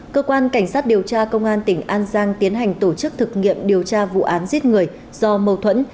cơ quan cảnh sát điều tra công an tỉnh an giang tiến hành tổ chức thực nghiệm điều tra vụ án giết người do mâu thuẫn